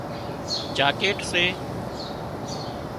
جاڪيٽ سي